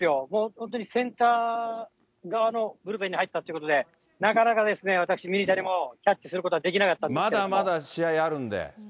本当にセンター側のブルペンに入ったっていうことで、なかなか私、ミニタニもキャッチすることはでまだまだ試合あるんで。